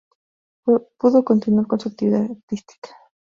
Pudo continuar con su actividad artística.